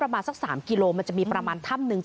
ประมาณสัก๓กิโลมันจะมีประมาณถ้ำนึง